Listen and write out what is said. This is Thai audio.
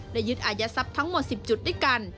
ยึดอายัดทรัพย์ทั้งหมด๑๐จุดด้วยกัน